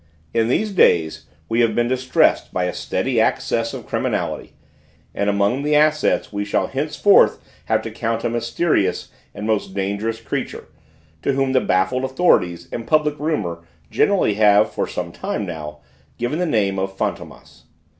In these days we have been distressed by a steady access of criminality, and among the assets we shall henceforth have to count a mysterious and most dangerous creature, to whom the baffled authorities and public rumour generally have for some time now given the name of Fantômas.